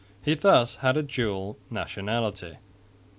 He thus had a dual nationality.